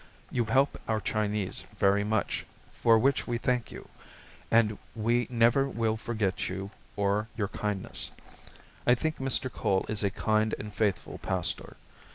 You help our Chinese very much, for which we thank you, and we never will forget you or your kindness. I think Mr. Cole is a kind and faithful pastor.